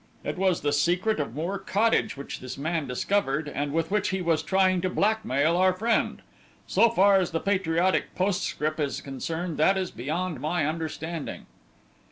It was the secret of Moor Cottage which this man discovered, and with which he was trying to blackmail our friend. So far as the patriotic postscript is concerned that is beyond my understanding."